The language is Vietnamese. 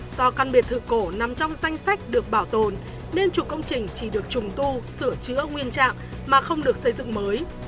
do căn biệt thự cổ nằm trong danh sách được bảo tồn nên chủ công trình chỉ được trùng tu sửa chữa nguyên trạng mà không được xây dựng mới